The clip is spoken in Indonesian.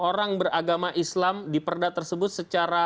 orang yang makan juga diatur